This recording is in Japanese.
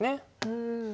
うん。